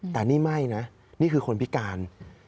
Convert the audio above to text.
แต่นี่ไม่นะนี่คือคนพิการ